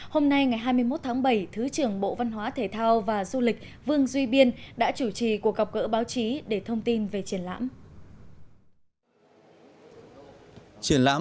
hôm nay ngày hai mươi một tháng bảy thứ trưởng bộ văn hóa thể thao và du lịch vương duy biên đã chủ trì cuộc gặp gỡ báo chí để thông tin về triển lãm